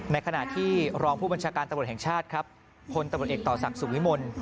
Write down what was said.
ในขณะที่รองผู้บัญชาการตำรวจแห่งชาติครับพลตำรวจเอกต่อศักดิ์สุขวิมล